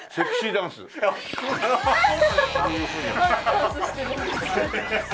ダンスしてるんです。